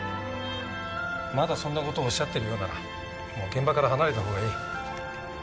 まだそんな事をおっしゃってるようならもう現場から離れたほうがいい。